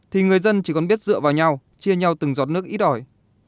thì người dân chỉ còn biết dựa vào nhau chia nhau từng giọt nước ít ỏi